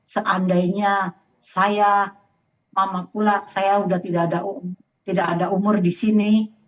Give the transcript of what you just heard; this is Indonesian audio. seandainya saya mamakulak saya sudah tidak ada umur di sini